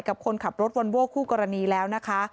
กับคนขับรถวอนโว้คู่กรณีแล้วนะคะ